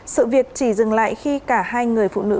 sự việc chỉ dừng lại khi cả hai người phụ nữ